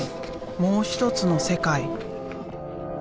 もう一つの世界。